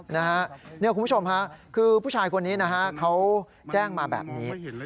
คุณผู้ชมค่ะคือผู้ชายคนนี้นะฮะเขาแจ้งมาแบบนี้